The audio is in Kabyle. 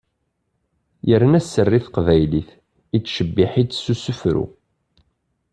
Yerna sser i teqbaylit, ittcebbiḥ-itt s usefru.